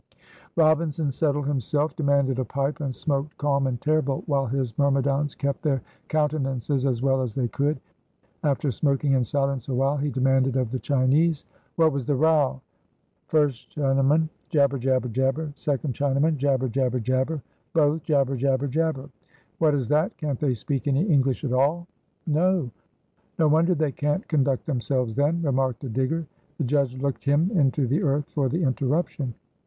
Robinson settled himself, demanded a pipe, and smoked calm and terrible, while his myrmidons kept their countenances as well as they could. After smoking in silence a while, he demanded of the Chinese, "What was the row?" 1st Chinaman. "Jabber! jabber! jabber!" 2d Chinaman. "Jabber! jabber! jabber!" Both. "Jabber! jabber! jabber!" "What is that? Can't they speak any English at all?" "No!" "No wonder they can't conduct themselves, then," remarked a digger. The judge looked him into the earth for the interruption.